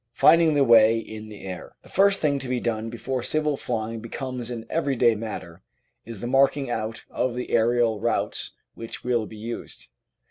Finding the Way in the Air The first thing to be done before civil flying becomes an everyday matter is the marking out of the aerial routes which will be used.